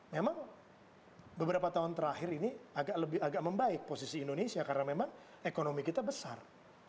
memang beberapa tahun terakhir ini agak membaik posisi indonesia karena memang ekonomi kita besar